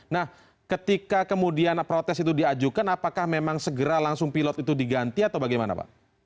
nah ketika kemudian protes itu diajukan apakah memang segera langsung pilot itu diganti atau bagaimana pak